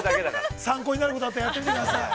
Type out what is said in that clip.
◆参考になることがあったらやってみてください。